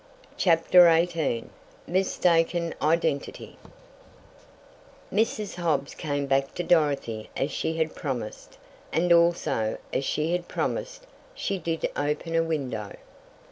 CHAPTER XVIII MISTAKEN IDENTITY Mrs. Hobbs came back to Dorothy as she had promised, and also, as she had promised, she did open a window.